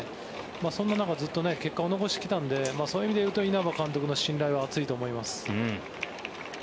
そんな中、ずっと結果を残してきたのでそういう意味でいうと稲葉監督の信頼は厚いと思います。